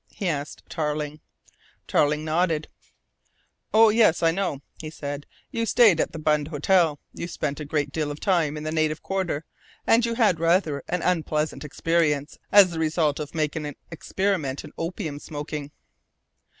he asked Tarling. Tarling nodded. "Oh yes, I know," he said. "You stayed at the Bund Hotel. You spent a great deal of time in the native quarter, and you had rather an unpleasant experience as the result of making an experiment in opium smoking."